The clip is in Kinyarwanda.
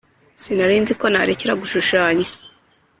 Sinarinziko narekera gushushanya